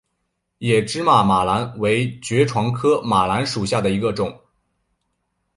野芝麻马蓝为爵床科马蓝属下的一个种。